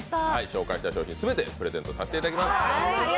紹介した商品全てプレゼントさせていただきます。